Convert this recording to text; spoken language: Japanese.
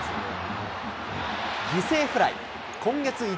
犠牲フライ。